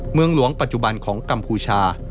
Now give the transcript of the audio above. เมืองหลวงปัจจุบันของกัมพูชา